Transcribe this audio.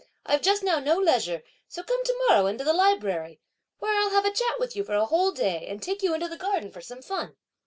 I've just now no leisure, so come to morrow, into the library, where I'll have a chat with you for a whole day, and take you into the garden for some fun!"